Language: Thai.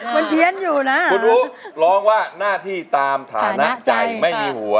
มันเพี้ยนอยู่นะคุณอุ๊ร้องว่าหน้าที่ตามฐานะใจไม่มีหัว